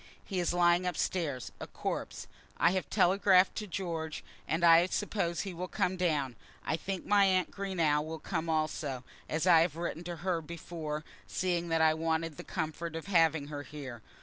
He is lying up stairs, a corpse. I have telegraphed to George, and I suppose he will come down. I think my aunt Greenow will come also, as I had written to her before, seeing that I wanted the comfort of having her here.